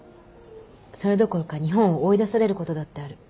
それどころか日本を追い出されることだってある。